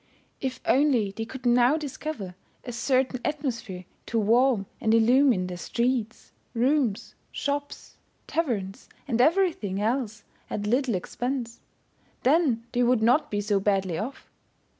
If only they could now discover a certain atmosphere to warm and illumine their streets, rooms, shops, taverns, and everything else at little expense, then they would not be so badly off.